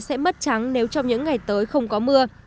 sẽ mất trắng nếu trong những ngày tới không có mưa